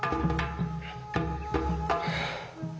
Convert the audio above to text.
はあ。